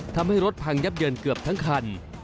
ทำให้รถพังยับเยินเกือบทั้งคัน